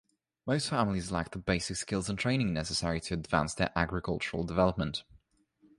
Most families lack the basic skills and training necessary to advance their agricultural development.